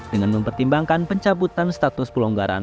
dengan mempertimbangkan pencabutan status pelonggaran